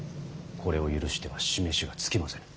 これを許しては示しがつきませぬ。